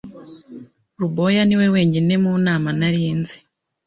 Ruboya niwe wenyine mu nama nari nzi.